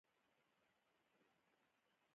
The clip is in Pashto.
د ځمکې لپاره اوبه اړین دي